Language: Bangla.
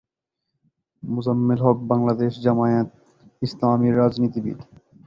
মোজাম্মেল হক বাংলাদেশ জামায়াতে ইসলামীর রাজনীতিবিদ।